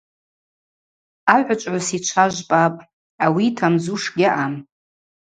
Агӏвычӏвгӏвыс йчва жвпӏапӏ, ауи йтамдзуш гьаъам.